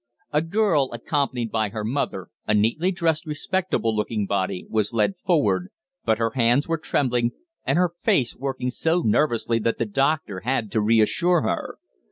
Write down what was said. A girl, accompanied by her mother, a neatly dressed, respectable looking body, was led forward, but her hands were trembling, and her face working so nervously that the doctor had to reassure her.